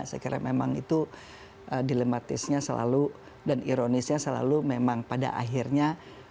saya kira memang itu dilematisnya selalu dan ironisnya selalu memang pada akhirnya